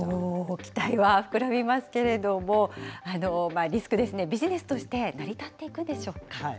期待は膨らみますけれども、リスクですね、ビジネスとして成り立っていくんでしょうか。